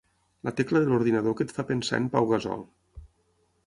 La tecla de l'ordinador que et fa pensar en Pau Gasol.